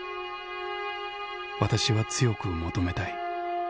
私は強く求めたい。